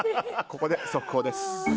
ここで、速報です。